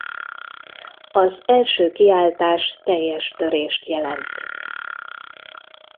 Az első kiáltás teljes törést jelent.